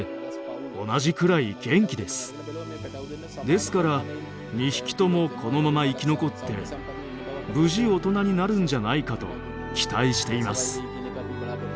ですから２匹ともこのまま生き残って無事大人になるんじゃないかと期待しています。